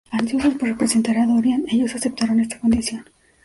Ansiosos por representar a Dorian, ellos aceptaron esta condición.